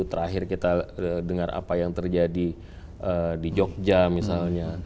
terakhir kita dengar apa yang terjadi di jogja misalnya